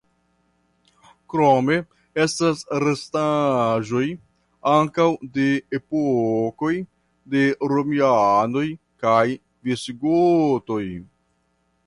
Krome estas restaĵoj ankaŭ de epokoj de romianoj kaj visigotoj.